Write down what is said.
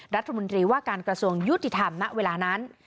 รัฐมนตรีว่าการกระทรวงยุติธรรมณเวลานั้น